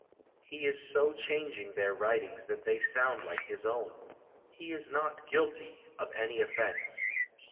He is so chang ing their writings that they sound like his own. He is not guilty of any offense".